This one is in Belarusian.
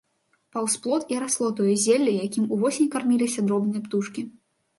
Паўз плот і расло тое зелле, якім увосень карміліся дробныя птушкі.